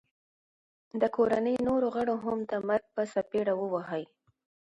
د کوړنۍ نورو غړو هم د مرګ په څپېړه وه وهي